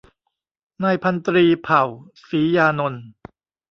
นายพันตรี เผ่า ศรียานนท์